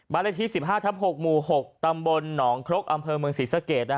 เลขที่๑๕ทับ๖หมู่๖ตำบลหนองครกอำเภอเมืองศรีสะเกด